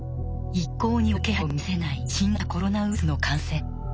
一向に収まる気配を見せない新型コロナウイルスの感染。